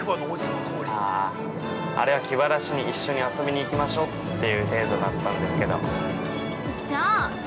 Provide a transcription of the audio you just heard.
◆あ、あれは気晴らしに一緒に遊びに行きましょっていう程度だったんですけど。